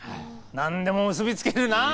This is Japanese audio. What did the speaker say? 何でも結び付けるなあ。